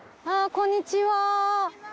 こんにちは。